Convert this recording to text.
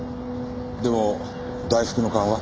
でも大福の勘は。